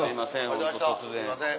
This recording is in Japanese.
すいません